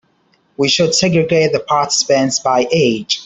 We should segregate the participants by age.